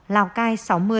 lào cai sáu mươi